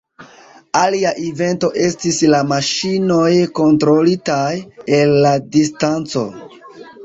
Alia invento estis la maŝinoj kontrolitaj el la distanco.